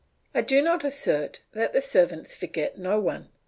I do not assert that the servants forget no one.